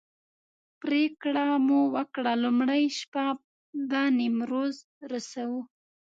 پرېکړه مو وکړه لومړۍ شپه به نیمروز رسوو.